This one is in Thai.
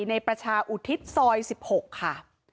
ประชาอุทิศซอย๑๖ค่ะ